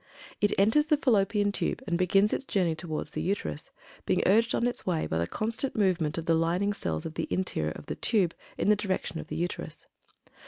It enters the Fallopian Tube and begins its journey toward the Uterus, being urged on its way by the constant movement of the lining cells of the interior of the tube, in the direction of the Uterus.